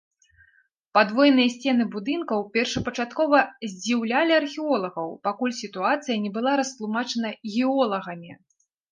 Падвойныя сцены будынкаў першапачаткова здзіўлялі археолагаў, пакуль сітуацыя не была растлумачана геолагамі.